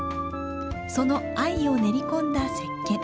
その藍を練り込んだ石けん。